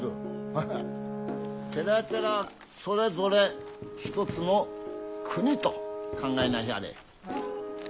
ハハッ寺々それぞれ一つの国と考えなひゃれ。